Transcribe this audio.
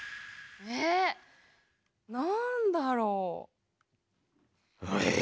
えなんだろう？